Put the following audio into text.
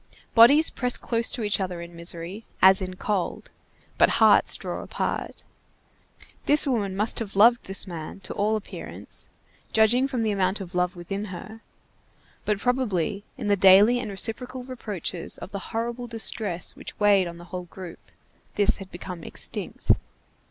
Bodies press close to each other in misery, as in cold, but hearts draw apart. This woman must have loved this man, to all appearance, judging from the amount of love within her; but probably, in the daily and reciprocal reproaches of the horrible distress which weighed on the whole group, this had become extinct.